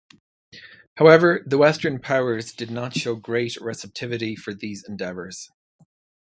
However the western powers did not show great receptivity for these endeavours.